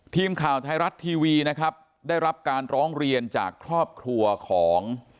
ทีมข่าวไทยรัฐทีวีนะครับได้รับการร้องเรียนจากครอบครัวของ